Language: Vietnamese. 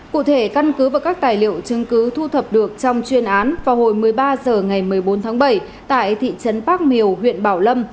cụ thể căn cứ và các tài liệu chứng cứ thu thập được trong chuyên án vào hồi một mươi ba h ngày một mươi bốn tháng bảy tại thị trấn bác miều huyện bảo lâm